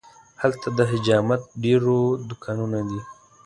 هلته د حجامت ډېر دوکانونه دي.